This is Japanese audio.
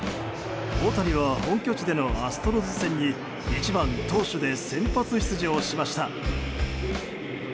大谷は本拠地でのアストロズ戦に１番投手で先発出場しました。